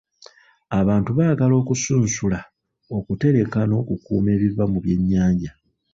Abantu baagala okusunsula, okutereka n'okukuuma ebiva mu byennyanja.